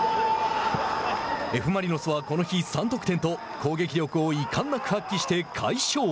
Ｆ・マリノスはこの日３得点と攻撃力を遺憾なく発揮して快勝。